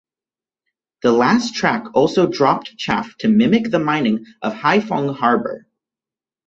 The last track also dropped chaff to mimic the mining of Haiphong harbor.